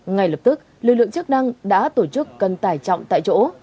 ngay lập tức lực lượng chức năng đã tổ chức cân tải trọng tại chỗ